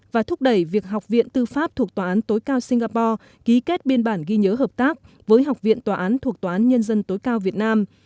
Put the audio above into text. và thúc đẩy việc học viện tư pháp thuộc tòa án tối cao singapore ký kết biên bản ghi nhớ hợp tác với học viện tòa án thuộc tòa án nhân dân tối cao việt nam